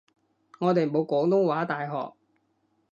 我哋冇廣東話大學